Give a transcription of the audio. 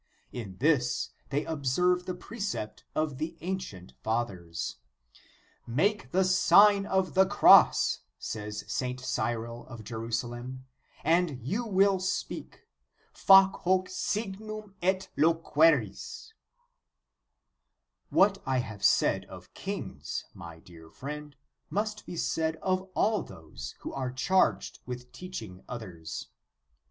In this they observe the precept of the ancient Fathers. " Make the Sign of the Cross," says St. Cyril of Jerusalem, "and you shall speak; Fac hoc signum et loqueris"* What I have said of kings, my dear friend, must be said of all those who are charged with teaching others.